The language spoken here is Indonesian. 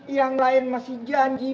yang lain masih janji